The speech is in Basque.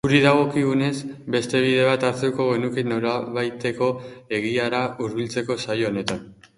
Guri dagokigunez, beste bide bat hartuko genuke nolabaiteko egiara hurbiltzeko saio honetan.